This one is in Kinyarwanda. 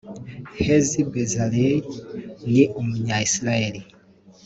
Hezi Bezalel ni Umunya-Israel